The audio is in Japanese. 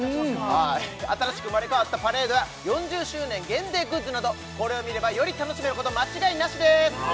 新しく生まれ変わったパレードや４０周年限定グッズなどこれを見ればより楽しめること間違いなしです